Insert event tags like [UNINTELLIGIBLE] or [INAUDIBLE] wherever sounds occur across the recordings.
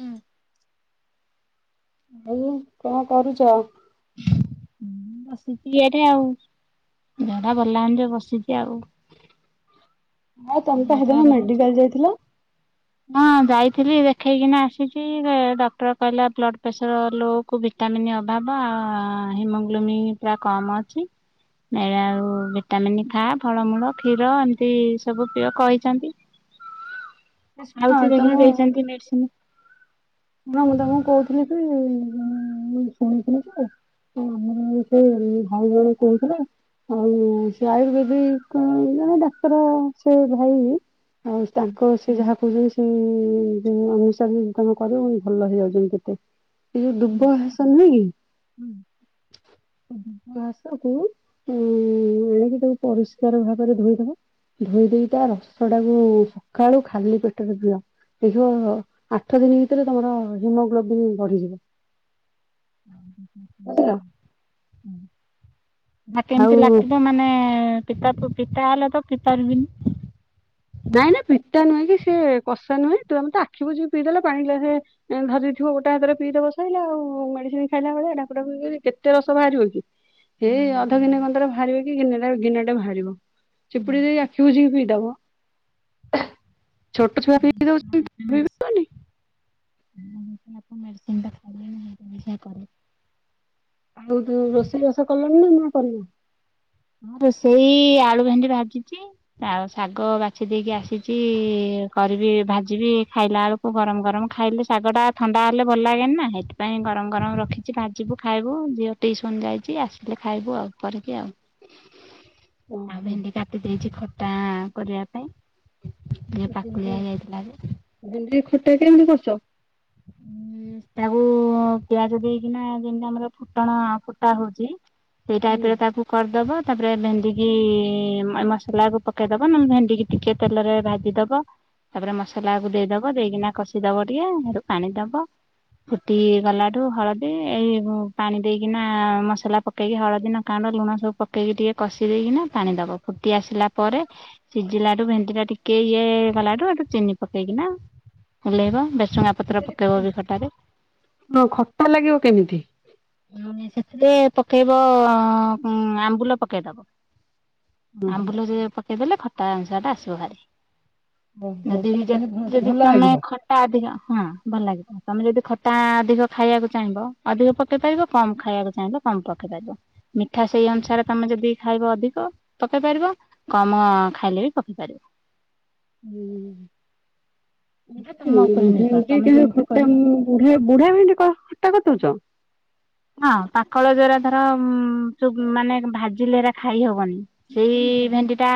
ହୁଁ। ଭାଇ କଣ କରୁଛ? ବସିଚି ଇଆଡ଼େ ଆଉ, ଦେହଟା ଭଲ ଲାଗୁନି ଜେ ବସିଚି ଆଉ। ହଁ ତମେ ପା ଦେହ ହେଦିନ ଭଲ ଅଛି? ମେଡିକାଲ ଯାଇଥିଲ? ହଁ ଯାଇଥିଲି ଦେଖେଇକିନା ଆସିଚି ଯେ ଡ଼କ୍ଟର କହିଲା ବ୍ଲଡ଼ ପ୍ରେସର ଲୋ କୁ ଭିଟାମିନ ଅଭାବ ଆ ହିମୋଗ୍ଲୋମି ପୁରା କମ ଅଛି ଏରା ଆଉ ଭିଟାମିନ୍ ଖା ଫଳମୂଳ କ୍ଷୀର ଏମିତି ସବୁ ପିଅ କହିଛନ୍ତି। ଏ ଶୁଣ ଖାଉଚି ତମ ଦେଖିଆ ଦେଇଚନ୍ତି ମେଡିସିନ। ଉଁ ହୁଁ ଶୁଣିଥିଲି ଯେ ସେ ଆମର ଭାଇ ଜଣେ କହୁଥିଲେ ଆଉ ସେ ଆୟୁର୍ବେଦିକ ଜଣେ ଡାକ୍ତର ସେ ଭାଇ। ଆଉ ତାଙ୍କ ସେ ଯାହା କହୁଚନ୍ତି ସେ ଯୋଉ ଅନୁସାରେ ତମ କରିବବୁକି ଭଲ ହେଇଯାଉଛନ୍ତି କେତେ। ଏଇ ଯୋଉ ଦୁବ ଘାସ ନୁହେଁ କି ଘାସକୁୁ ଉ ଆଣିକି ତାକୁ ପରିଷ୍କାର ଭାବରେ ଧୋଇଦବ ଧୋଇ ଦେଇେଇ ତା ରସ ଟାକୁ ସଖାଳୁ ଖାଲି ପେଟରେ ପିଅ ଦେଖିବ ଆଠ ଦିନି ଭି ଏଥିରେ ତମର ହିମୋଗ୍ଲୋବିନ୍ ବଢିଯିବ। [UNINTELLIGIBLE] ବୁଝିଲ। ଆଉ କେମିତି ଲାକିବ ମାନେ ପିତାପ ପିତା ହେଲେ ତ ପିତାରବିନ ନାଇଁ ନାଇ ପିତା ନୁହେଁ କି ସେ କଷା ନୁହେଁ ତୁମେତ ଆଖିିବୁଯିକି ପିଇଦେଲେ ପାଣି ଗ୍ଲାସେ ଧରିଥିବ ଗୋଟେ ହାତରେ ପିଇଦବ ସଇିଲଲା ଆଉ ମେଡିସିନ ଖାଇଲା ବେଳେ ଢାକୁଢାକୁ କିରି କେତେ ରସ ବାହାରିବକି। ଏଇ ଅଧ ଦିନ କନ୍ଦରେ ଭା ବାହାରିବକି ଗିନାଟେ ଗିନଟା ବାହାରିବ। ହୁଁ ଚିପୁଡ଼ି ଦେଇ ଆଖି ବୁଜିକି ପି ଦବ। ଛୋଟ ଛୁଆ ପିଇ ଦଉଚନ୍ତି ତମେ ହୁଁ। ପିଇ ପାରିବନି। [UNINTELLIGIBLE] ଆଉ ତୁ ରୋଷେଇବାଷ କଲୁଣି ନା ନା କରିନୁ। ହଁ ରୋଷେଇ ଆଳୁ ଭେଣ୍ଡି ଭାଜିଚି ଆଉ ଶାଗ ବାଛି ଦେଇକି ଆସିଚି କରିବି ଭାଜିବି ଖାଇଲା ଆଳୁକୁ ଗରମ ଗରମ ଖାଇଲେ ଶାଗ ଟା ଥଣ୍ଡା ହେଲେ ଭଲ ଲାଗେନି ନା ହେଇଥିପାଇଁ ଗରମ ଗରମ ରଖିଛି ଭାଜିବୁ ଖାଇବୁ ଝିଅ ଟିସନ ଯାଇଚି ଆସିଲେ ଖାଇବୁ ଆଉ କରିକି ଆଉ। ଆଉ ଭେଣ୍ଡି କାଟି ଦେଇେଇଚି ଖ। ଟା କରିବା ପାଇଁ। ଝିଅ ଭେଣ୍ଡି ପାକୁଳିଆ ହେଇଯାଇଥିଲା ଯେ ଭେଣ୍ଡି ଖ [UNINTELLIGIBLE] କରୁଚ। ତାକୁ ପିଆଜ ଦେଇକିନା ଯେମିତି ଆମର ଫୁଟଣ ଫୁଟା ହଉଚି ସେଇ ହୁଁ ଟାଇପ ମୁଁ ରେ ତାକୁ କରିଦବ ତାପରେ ଭେଣ୍ଡି କି ମା ମସଲାକୁ ପକେଇ ଦବା ନହେଲେ ଭେଣ୍ଡିିକି ଟିକେ ତେଲରେ ଭାଜି ଦବା ତାପରେ ମସଲାକୁ ଦେଇଦବ ଦେଇକିନା କଷିଦବ ଟିକେ ହେଟୁ ପାଣି ଦବ ଫୁଟି ଗଲାଠୁ ହଳଦୀ ଏଇ ପାଣି ଦେଇକିନା ମସଲା ପକେଇକି ହଳଦୀ ନଙ୍କାଗୁଣ୍ଡ ଲୁଣ ସବୁ ପକେଇକି ଟିକେ କଷି ଦେଇକିନା ପାଣି ଦବ ଫୁଟି ଆସିଲା ପରେ ସିଝିଲାଠୁ ଭେଣ୍ଡି ଟା ଟିକେ ଇଏ ଗଲାଠୁ ହେଟୁ ଚିନି ପକେଇକିନା ଓଲ୍ହେଇବ ଭେସୁଙ୍ଗା ପତ୍ର ପକେଇବ ବି ଖଟାରେ ହଁ ଖଟା ଲାଗିବ କେମିତି। ମିଳୁନି ସେଥିରେ ପକେଇବ କ ଆମ୍ବୁଲ ପକେଇଦବ। ଓହୋ ଆମ୍ବୁଲ ଯେବେ ପକେଇଦେଲେ ଖ ତା ଅନୁସାଟା ଆସୁ ଭାରି। ଓହୋ ଯଦି ତାହେଲେ ଭ- ଯଦି ଭଲ ତମେ ଲାଗିବ। ହୁଁ, ଖଟା ଅଧିକ ହଁ ଭଲଲାଗିବ ତମେ ଯଦି ଖଟା ଅଧିକ ଖାଇବାକୁ ଚାହିଁବ ଅଧିକ ପକେଇପାରିବ କମ୍ ଖାଇବାକୁ ଚାହିଁଲେ କମ୍ ପକେଇପାରିବ ମିଠା ସେଇ ଅନୁସାରେ ତମେ ଯଦି ଖାଇବ ଅଧିକ ପକେଇ ପାରିବ କମ୍ ଖାଇଲେ ବି ପକେଇ ପାରିବ ଏଇଟା ହଁ ତମ ଉପରେ ନିର୍ଭର ତମେ ଭେଣ୍ଡିଟିର ଯେମିତି ଖଟା କରିବ। ବୁଢା, ବୁଢ଼ା ଭେଣ୍ଡି ଖ-ଖଟା କରିଦେଉଛ? ହଁ ପାକଳ ଯୋଉଗୁରା ଧର ଯୋଉ ମାନେ ଭାଜିଲେ ହେରା ଖାଇହବନି। ସେଇ ହୁଁ ହୁଁ ଭେଣ୍ଡିଟା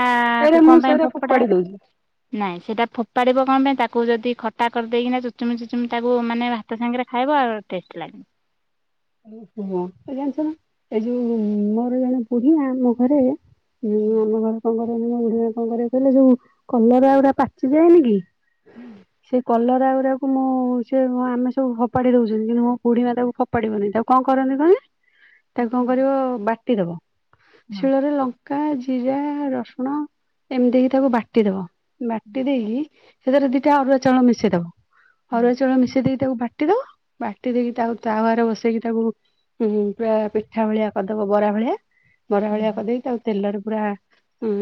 ଏଇଟା କୁ ମୁଁ କଣ ପାଇଁ ସେଇଟା ଫୋପଡା, ଫୋପାଡି ଦଉଛି ନାଇଁ ସେଇଟା ଫୋପାଡିବ କଣ ପାଇଁ ତା ତାକୁ ଯଦି ଖଟା କରିଦେଇକିନା ଚୁଚୁମି ଚୁଚୁମି ତାକୁ ମାନେ ଭାତ ସାଙ୍ଗରେ ଖାଇବ ଆଉରି ଟେଷ୍ଟ ଲାଗିବ। ହଁ ଜାଣିଛନା ଏଯୋଉ ମୋର ଜଣେ ବୁଢୀମା ମୋ ଘରେ ହୁଁ ଆମ ଘରେ କଣ କହି ବୁଢା କଣ କରିବ କହିଲ, ଯୋଉ କଲରା ଗୁଡା ପାଚିଯାଇନିକି ସେ କଲର କଲରା ଗୁଡାକୁ ମୋ ସେ ଆମେ ସବୁ ଫୋପାଡି ଦଉଛନ୍ତି, କିନ୍ତୁ ମୋ ବୁଢୀ ମା ତାକୁ ଫୋପ ଫୋପାଡିବନି, ତାକୁ କଣ କରନ୍ତି କୁହନି। ତାକୁ କଣ କରିବ ବାଟ ଟିଦବ। ଶିଳରେ ଲଙ୍କ ଲଙ୍କା, ଜିରା, ରସୁଣ ଏମିତି ଦେଇକି ତାକୁ ବାଟିଦବ। ବାଟି ଦେଇକି ସେଥିରେ ଦିଟା ଅରୁଆ ଚାଉଳ ମିସେଇଦବ। ଅରୁଆ ଚାଉଳ ମିଶେଇଦେଇ ତାକୁ ବାଟ ବାଟିଦବ ବାଟିଦେଇକି ତାକୁ ତା ବସେଇକି ତାକୁ ପୁରା ପିଠା ଭଳିଆ କରିଦବ ବରା ଭଳିଆ। ବରା ଭଳିଆ କରିଦେଇିକି ତାକୁ ତେଲରେ ପୁରା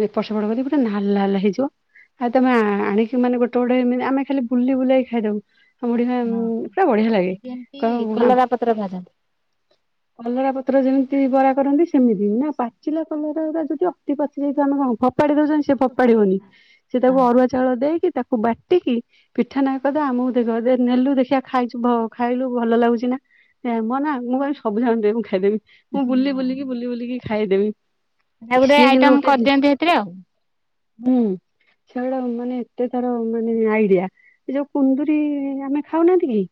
ଏପଟ ସେପଟ କରି ପୁରା ନାଲ ଲାଲ ହେଇଯିବ, ଆଉ ତମେ ଆଣିକି ମାନେ ଗୋଟେ ଗୋଟେ ଏମତି ଆମେ ଖାଲି ବୁଲି ବୁଲେଇକି ଖାଇଦବୁ। ହଁ ବୁଢୀମା, ପୁରା ବଢିଆ ଲାଗେ, କ ହଁ କଲରା ପତ୍ର ଭାଜନ୍ତି। ପତ୍ର ଯେମିତି ବରା କରନ୍ତି, ସେମିତି ନା ପାଚିଲା କଲରା ଗୁରା ଯଦି ଅତି ପାଚି ଯାଇଥିବ, ଆମେ କଣ ଫୋପାଡି ଦଉଛନ୍ତି, ସେ ଫୋପାଡିବନି, ସେ ତାକୁ ଆଉ ଅରୁଆ ଚାଉଳ ଦେଇକି ତାକୁ ବାଟିକି ପିଠା ନା କହିଦବ ଆମକୁ ଦେଇଦବ, ନେଲୁ ଦେଖିଆ ଖାଇଛୁ ବ ଖାଇଲୁ ଭଲ ଲାଗୁଛି ନା? ଏମନା ମୁଁ କହିବି, ସବୁଯାଙ୍କ ଦେ ମୁଁ ଖାଇଦେବି। ମୁଁ ବୁଲି ବୁଲିକି ବୁଲି ବୁଲିକି ଖାଇଦେବି। ଆଉ ଗୋଟେ ସିଏ କିନ୍ତୁ ଆଇଟମ୍ ଗୋଟେ ଜି କରିଦିଅନ୍ତି ସେଥିରେ ଆଉ। ହୁଁ ସେଇଆଡ ମାନେ ଏତେ ତାର ମାନେ ଆଇଡିଆ, ଯୋଉ କୁନ୍ଦୁରି ଆମେ ଖାଉନାହାନ୍ତି କି?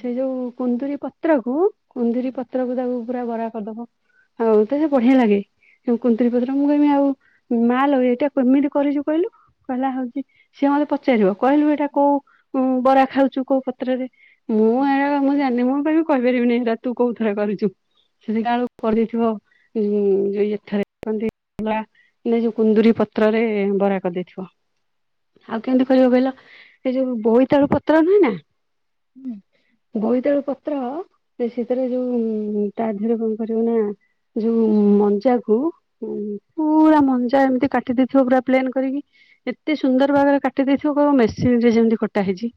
ସେ ଯୋଉ କୁନ୍ଦୁରି। ପତ୍ରକୁ। କୁନ୍ଦୁୁରି ପତ୍ରକୁ ତାକୁ ପୁରା ବରା କରିଦବ ଆଉ ତ ସେ ବଢିଆ ଲାଗେ କୁନ୍ଦୁରି ପତ୍ର। ମୁଁ କହିବି ଆଉ ମା ଲୋ ଏଇଟା କେମିତି କରିଛୁ କହିଲୁ କହିଲା ହଉଛି ସିଏ ମତେ ପଚାରିବ। କହିଲୁ ଏଇଟା କୋଉ ଉଁ ବରା ଖାଇଛୁ କୋଉ ପତ୍ରରେ ମୁଁ ଏରା ମୁଁ ଜାଣିନି ମ କହିପାରିବିନି ଏରା ତୁ କୋଉ ଥରେ କରିଛୁ। ସେ ଦେଖିଲା ବଳକୁ କରିଦେଇଥିବ ଯଉ ଏଥରେ ଯୋଉ କୁନ୍ଦୁରି ପତ୍ରରେ ବରା କରିଦେଇଥିବ। ଆଉ କେମିତି କରିବ କହିଲ ଏ ଯୋଉ ବୋଇତାଳୁ ପତ୍ର ନୁହେ ନା ହୁଁ ବୋଇତାଳୁ ପତ୍ର ସେଥିରେ ଯୋଉ-ଉ-ଉ-ଉ ତା ଦେହରେ କଣ କରିବ ନା ଯୋଉ ମଞ୍ଜା କୁ ଉ ପୁରା ମଞ୍ଜା ଏମିତି କାଟି ଦେଇଥିବ ପୁରା ପ୍ଲେନ କରିକି। ଏତେ ସୁନ୍ଦର ଭାବରେ କାଟି ଦେଇଥିବ କ ମେସିନ ରେ ଯେମତି କଟା ହେଇଛି।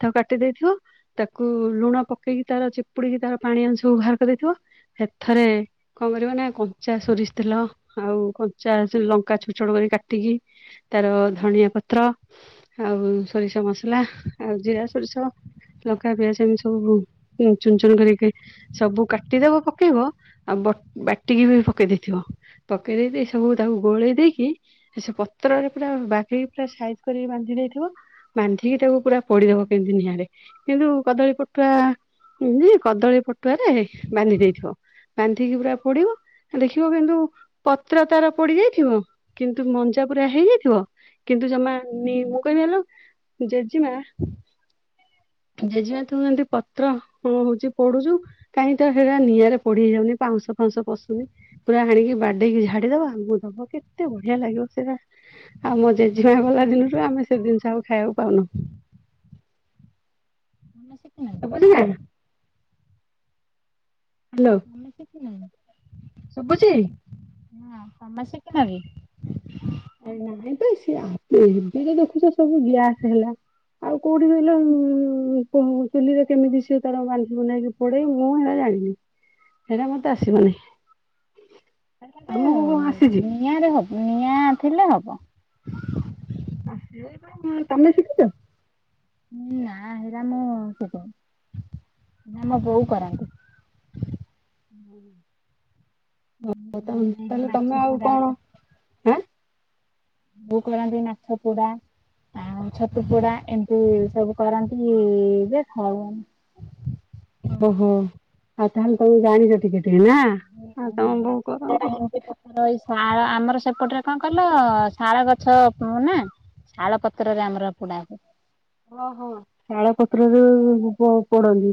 ତାକୁ କାଟି ଦେଇଥିବ ତାକୁ ଲୁଣ ପ ପକେଇକି ତାର ଚିପୁଡ଼ିକି ତାର ପାଣି ଅଂଶକୁ ବାହାର କରିଦେଇଥିବ। ସେଥିରେ କଣ କରିବ ନା କଞ୍ଚା ସୋରିଷ ତେଲ, ଆଉ କଞ୍ଚା ସ ଲଙ୍କା ଛୋଟ ଛୋଟ କରି କାଟିକି, ତାର ଧଣିଆ ପତ୍ର, ଆଉ ସୋରିଷ ମସଲା, ଆଉ ଜିରା, ସୋରିଷ, ଲଙ୍କା, ପିଆଜ ଏମିତି ସବୁ ଚୁନ ଚୁନ କରିକି ସବୁ କାଟିଦବ ପକେଇବ ଆଉ ବଟ୍ ବାଟିକି ବି ପକେଇ ଦେଇଥିବ। ପକେଇ ଦେଇକି ସବୁ ତାକୁ ଗୋଳେଇ ଦେଇକି ସେ ପତ୍ରରେ ପୁରା ବାଗେଇ ପା ସାଇଜ କରି ବାନ୍ଧି ଦେଇଥିବ। ବାନ୍ଧିକି ତାକୁ ପୁରା ପୋଡିଦବ କେମତି ନିଆଁରେ କିନ୍ତୁ କଦଳୀ ପଟୁଆ-ଆ-ଆ ଏମିତି କଦଳୀ ପଟୁଆରେ ବାନ୍ଧି ଦେଇଥିବ। ବାନ୍ଧିକି ପୁରା ପୋଡିବ ଦେଖିବ କିନ୍ତୁ ପତ୍ର ତାର ପୋଡି ଯାଇଥିବ, କିନ୍ତୁ ମଞ୍ଜା ପୁରା ହେଇଯାଇଥିବ, କିନ୍ତୁ ଜମା ନି, ମୁଁ କହିବି ଆଲୋ ଜେଜେମା ଜେଜେମା ତୁ ଏମିତି ପ ପତ୍ର ହ ହଉଛି ପଡୁଛୁ କାହିଁକି ତ ସେଇଟା ନିଆଁରେ ପଡିି ହେଇଯାଉନି ପାଉଁଶ ଫାଉଁଶ ପଶୁନି ପୁରା ଆଣିକି ବାଡେଇକି ଝାଡି ଦବ ଆମକୁ ଦବ କେତେ ବଢିଆ ଲାଗିବ ସେଇଟା। ଆମ ଜେଜେମା ଗଲା ଦିନରୁୁ ଆମେ ସେ ଜିନିଷ ଆଉ ଖାଇବାକୁ ପାଉନୁ। ମ ସେ ବୁଝିଲାନା [UNINTELLIGIBLE] ଶୁଭୁଛି? ହଁ ସମ [UNINTELLIGIBLE] ନାଇଁ ତ-ସ ଏବେ ତ [UNINTELLIGIBLE] ଏମିତି ସବୁ ଗ୍ୟାସ ହେଲା ଆଉ କୋଉଠି କହିଲ-ଅ-ଅ-ଅ-ଅ ଚୁଲିରେ କେମିତି ସେ ତାର ବାନ୍ଧିବ ନେଇକି ଥୋଇଦେବି ମୁଁ ଏଇଟା ଜାଣିନି ସେଇଟା ମତେ ଆସିବନି। ସେ ତମକୁ କଣ ଆସିଛି ଗୋଟେ-ଏ-ଏ-ଏ ନିଆଁରେ ହବ। ନିଆଁ ଥିଲେ ହବ। ତମେ ଶିଖିଛ? ହୁଁ ନା ହେଇରା ମୁଁ ଶିଖିନି। ନା ମୋ ବୋଉ କରନ୍ତି। ହୁଁ। ତାହଲେ ଏଇ ଯୋଉ ତାହେଲେ ମାଛ ତମେ ଆଉ ପୋଡା କଣ ଆ ବୋଉ କରନ୍ତି ମାଛ ପୋଡା, ଆଉ ଛତୁ ପୋଡା ଏମିତି-ଇ-ଇ-ଇ ସବୁ କରନ୍ତି-ଇ-ଇ-ଇ ଯେ ଖାଉ। ଓହୋ ଆଉ ତାହେଲେ ତମେ ଜାଣିଛ ଟିକେ? ନା ଆଉ ତମ ମାଛ ବୋଉ ପୋଡାଟା କରନ୍ତି। ଏମିତି ପତ୍ର ଏଇ ଶାଳ ଆମର ସେପଟରେ କଣ କହିଲ-ଅ-ଅ ଶାଳ ଗଛ ନା, ଶାଳ ପତ୍ରରେ ଆମର ପୋଡା ହୁଏ। ଓହୋ ଶାଳ ପତ୍ରରେ-ଏ-ଏ ଏ ପୋଡନ୍ତି।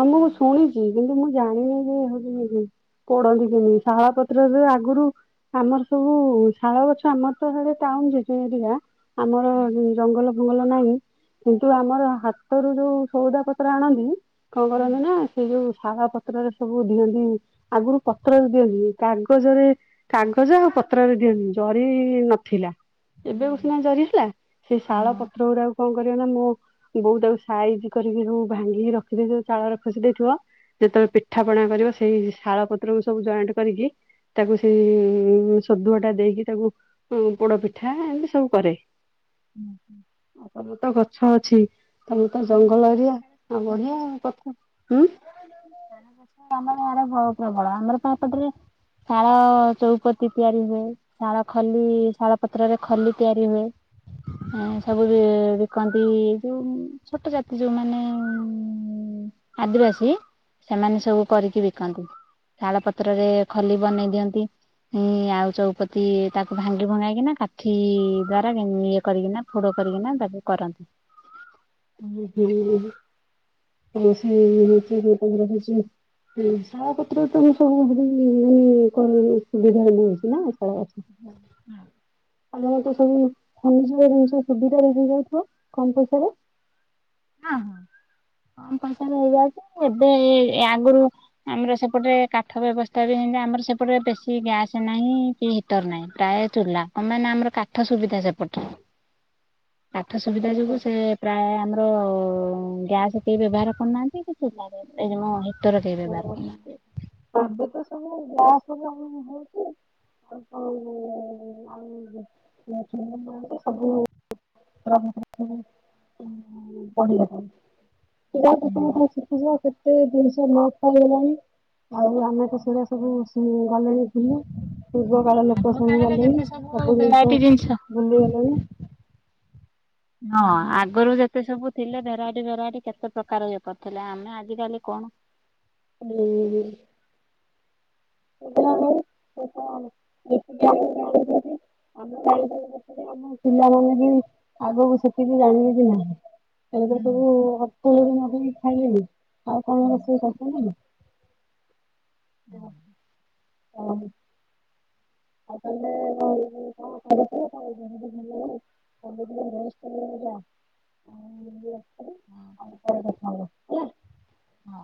ହଁ ମୁଁଁ ଶୁଣିଛି। କିନ୍ତୁ ମୁଁ ଜାଣିନି ଯେ ହଉମ ପଢନ୍ତି କେମିତି ଶାଳ ପତ୍ରରେ ଆଗରୁ ଆମର ସବୁ-ଉ-ଉ ଶାଳ ଗଛ ଆମର ତ ସିଆଡେ ଟାଉନ୍ [UNINTELLIGIBLE] ଆମର ଜଙ୍ଗଲ ଭଲ ନାହିଁ କିନ୍ତୁ ଆମର ହାତରୁ ଯୋଉ ସଉଦା ପତ୍ର ଆଣନ୍ତି କଣ କରନ୍ତି ନା ସେ ଯୋଉ ଖାଇବା ପତ୍ରରେ ସବୁ ଦିଅନ୍ତି। ଆଗରୁ ପତ୍ରରେ ଦିଅନ୍ତି କାଗଜରେ କାଗଜ ଆଉ ପତ୍ରରେ ଦିଅନ୍ତି ଜରି-ଇ-ଇ-ଇ ନଥିଲା। ଏବେ କୁ ସିନା ଜରି ହେଲା। ସେଇ ଶାଳ ହଁ ପତ୍ର ଗୁଡ଼ାକୁ କଣ କରିବ ନା ମୁଁ ବୋଉ ତାକୁ ସାଇଜ କରିକି ସବୁ ଭାଙ୍ଗିକି ରଖିଦେଇ ଚାଳରେ ଖୋସି ଦେଇଥିବ ଯେତେବେଳେ ପିଠା ପଣା କରିବ ସେଇ ଶାଳ ପତ୍ରକୁ ସବୁ ଜଏଣ୍ଟ କରିକି ତାକୁ ସେଇ ସଦୁଆ ଟା ଦେଇକି ତାକୁ ପୋଡ଼ ପିଠା ଏମିତି ସବୁ କରେ। ହୁଁ ହୁଁ। ସବୁତ ଗଛ ଅଛି। ତମର ତ [UNINTELLIGIBLE] ଜଙ୍ଗଲ ଏରିଆ ଆଉ ତଳ ବଢିଆ କଥା। ହୁଁ ଗଛ ଆମର ୟାଡେ ବୋହୁ ପ୍ରବଳ ଆମର ପାହାପଟରେ ଶାଳ ଚଉପତି ତିଆରି ହୁଏ ଶାଳ ଖଲି ଶାଳ ପତ୍ରରେ ଖଲି ତିଆରି ହୁଏ ସବୁ ବିକନ୍ତି ଯୋଉ ଛୋଟ ଜାତି ଯୋଉମାନେ ଆଦିବାସୀ ସେମାନେ ସବୁ କରିକି ବିକନ୍ତି ତାଳ ପତ୍ରରେ ଖଲି ବନେଇ ଦିଅନ୍ତିଁ ଆଉ ଚଉପତି ତାକୁ ଭାଙ୍ଗି ଭଙ୍ଗାଇକିନା କାଠି ଦ୍ଵାରା ଇଏ କରିକିନା ଫୋଡ କରିକିନା ତାକୁ କରନ୍ତି। [UNINTELLIGIBLE] ହଉଛି ଶଳାପତ୍ର ତ ସବୁ ଭ ମାନେ ସୁବିଧା ମିଳଉଛି ନା [UNINTELLIGIBLE] ତ ଖନିଜ ଜିନିଷ ସୁବିଧାରେ ହେଯାଉଥିବ କମ୍ ପଇସାରେ ହଁ ହଁ କମ୍ ପଇସାରେ ହେଇଯାଉଛି ଏବେ ଆଗରୁ ଆମର ସେପଟରେ କାଠ ବ୍ୟବସ୍ଥା ବି ଆମର ସେପଟରେ ବେଶୀ ଗ୍ୟାସ ନାହିଁ କି ହିଟର ନାହିଁ ପ୍ରାୟ ଚୂଲା କଣ ମାନେ ଆମର କାଠ ସୁବିଧା ସେପଟେ କାଠ ସୁବିଧା ଯୋଗୁ ସେ ପ୍ରାୟ ଆମ ଗ୍ୟାସ୍ ଟିକେ କବ୍ୟବହାର କରୁନାହାନ୍ତି କି ଚୂଲା ରେ ଏ ଯୋ ମୁଁ ହିଟର କେହି ବ୍ୟବହାର ହଁ କରୁନାହାନ୍ତି ଏବେ ଏବେ ତ ସବୁ ଗ୍ୟାସ ସବୁ ଆମ ହଉଛି ଆଉ ସବ ଆ ସବୁ [UNINTELLIGIBLE] ବଢିବା [UNINTELLIGIBLE] ସେ ଦିନ ନୋ ଆଉ ଆମେ ତ ସେଗୁଡା ସବୁ ସେମି ଭଲରେ ଥିଲେ ପୂର୍ବକାଳ ଲୋକ ଆଗ ସବୁ କାଳରେ ଗଲେଣି ଯେତେ ସବୁ ଜିନିଷ ଭେରାଇଟି ଭୁଲି ଗଲେଣି। ହଁ ଆଗରୁ ଯେତେ ସବୁ ଥିଲେ ଭେରାଇଟି ଭେରାଇଟି କେତେ ପ୍ରକାର ଇଏ କରିୁଥିଲେ ଆମେ ଆଜିକାଲି କଣ? ହୁଁ ହୁଁ। କେ ଜାଣି ଆମ ଆମ ପିଲାମାନେ ବି ଆଗକୁ ସେତିକି ଜାଣିବେ କି ନାହିଁ ହେଲେ ତ ସବୁ ହୋଟେଲରୁ ମଗେଇକି ଖାଇଲେଣି ଆଉ କଣ ରଷେଇସ ହଁ ହଁ। [UNINTELLIGIBLE] ଆଉ ପରେ କଥା ହବା ହେଲା। ହଁ।